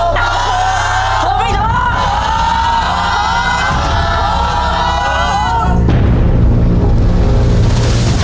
โอ้โหโอ้โห